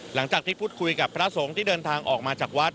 หลังจากที่พูดคุยกับพระสงฆ์ที่เดินทางออกมาจากวัด